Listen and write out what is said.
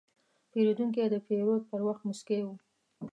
پیرودونکی د پیرود پر وخت موسکی و.